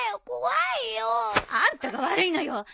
怖いよ。あんたが悪いのよ。